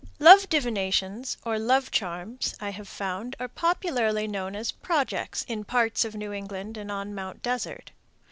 Love divinations or love charms, I have found, are popularly known as "projects" in parts of New England and on Mt. Desert.